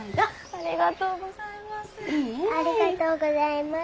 ありがとうございます。